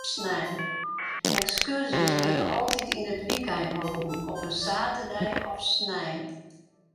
Ekskurzjes wurde altyd yn it wykein holden, op in saterdei of snein.